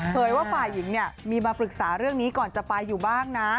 เคยว่าฝ่ายหญิงเนี่ยมีมาปรึกษาเรื่องนี้ก่อนจะไปอยู่บ้างนะ